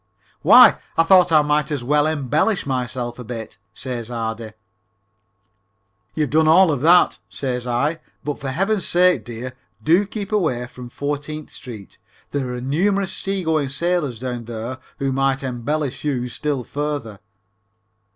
"Why, I thought I might as well embellish myself a bit," says Ardy. "You've done all of that," says I, "but for heaven's sake, dear, do keep away from Fourteenth Street; there are numerous sea going sailors down there who might embellish you still further."